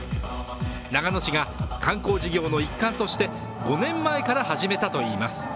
長野市が観光事業の一環として５年前から始めたといいます。